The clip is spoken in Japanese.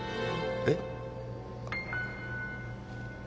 えっ？